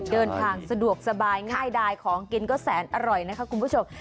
เดินทางสะดวกสบายง่ายดายของกินก็แสนอร่อยนะคะคุณผู้ชม